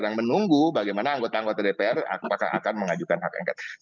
yang menunggu bagaimana anggota anggota dpr apakah akan mengajukan hak angket